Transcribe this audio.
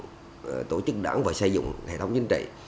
xây dựng tổ chức đảng và xây dựng hệ thống chính trị